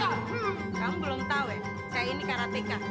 hmm kamu belum tau ya saya ini karateka